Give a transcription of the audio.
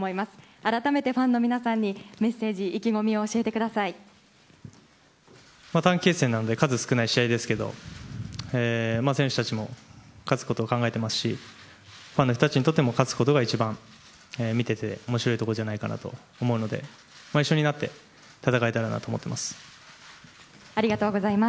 改めてファンの皆さんにメッセージ短期決戦なので数少ない試合ですけど選手たちも勝つことを考えていますしファンの人たちにとっても勝つことが一番面白いところじゃないかなと思うので一緒になって戦えたらなと思っています。